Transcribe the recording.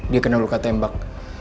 dia kena luka tembak